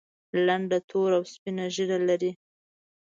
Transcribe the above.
لنډه توره او سپینه ږیره لري.